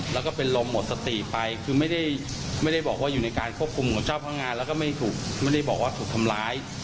แล้วก็เป็นลมหมดสติไปคือไม่ได้บอกว่าอยู่ในการควบคุมของเจ้าพนักงานแล้วก็ไม่ได้บอกว่าถูกทำร้าย